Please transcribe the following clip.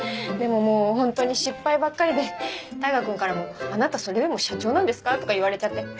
でももうホントに失敗ばっかりで大牙君からも「あなたそれでも社長なんですか！」とか言われちゃって。